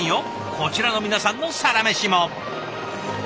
こちらの皆さんのサラメシも。